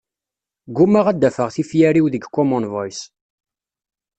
Gummaɣ ad afeɣ tifyar-iw deg common voice.